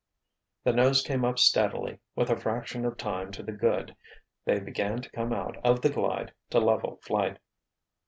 The nose came up steadily—with a fraction of time to the good, they began to come out of the glide to level flight.